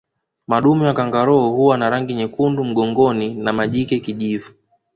Madume wa kangaroo huwa na rangi nyekundu mgongoni na majike kijivu